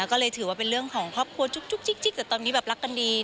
ก็เลยถือว่าเป็นเรื่องของครอบครัวจุ๊กจิ๊กแต่ตอนนี้แบบรักกันดี